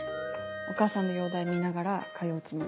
お母さんの容体見ながら通うつもり。